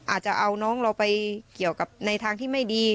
อาจจะเอาน้องเราไปเกี่ยวกับในทางที่ไม่ดี